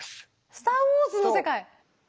「スター・ウォーズ」の世界。